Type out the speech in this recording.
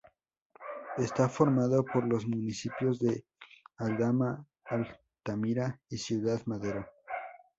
Está formado por los municipios de Aldama, Altamira y Ciudad Madero.